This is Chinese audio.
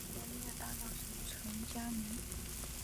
许美静的主要音乐搭档是陈佳明。